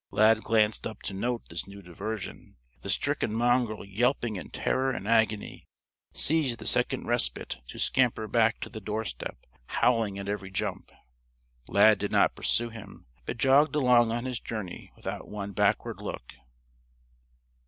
Lad glanced up to note this new diversion. The stricken mongrel yelping in terror and agony seized the second respite to scamper back to the doorstep, howling at every jump. Lad did not pursue him, but jogged along on his journey without one backward look.